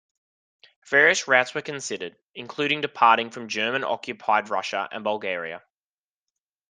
Various routes were considered, including departing from German-occupied Russia and Bulgaria.